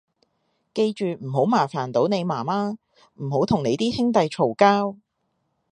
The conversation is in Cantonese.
記住唔好麻煩到你媽媽，唔好同你啲兄弟嘈交